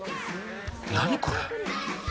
何これ。